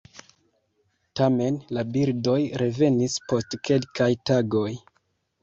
Tamen la birdoj revenis post kelkaj tagoj.